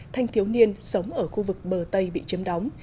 thanh thiếu niên sống ở khu vực bờ tây bị chiếm đóng